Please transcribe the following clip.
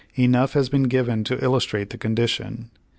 Enough has been given to illustrate the condition.